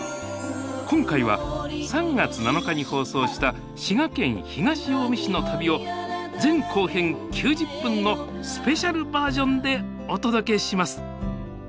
今回は３月７日に放送した滋賀県東近江市の旅を前後編９０分のスペシャルバージョンでお届けします。